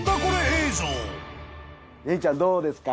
れにちゃんどうですか？